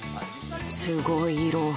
すごい色！